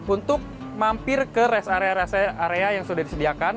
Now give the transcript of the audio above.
untuk mampir ke rest area rest area yang sudah disediakan